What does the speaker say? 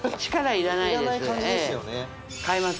いらない感じですよね